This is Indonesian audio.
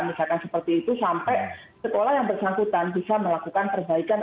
misalkan seperti itu sampai sekolah yang bersangkutan bisa melakukan perbaikan